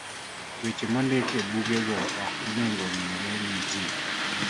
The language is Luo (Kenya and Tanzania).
Weche mondiki ebugego ok onego ong'ere ne ji